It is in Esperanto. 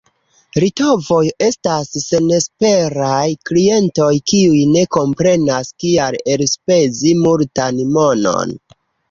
Litovoj estas senesperaj klientoj, kiuj ne komprenas, kial elspezi multan monon.